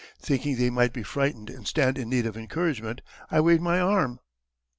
Thinking they might be frightened and stand in need of encouragement I waved my arm."